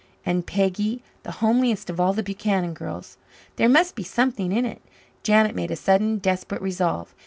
And Peggy, the homeliest of all the Buchanan girls! There must be something in it. Janet made a sudden desperate resolve.